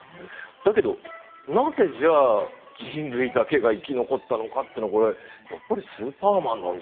だけどなぜじゃあ人類だけが生き残ったのかってのこれやっぱりスーパーマンなんじゃないですか。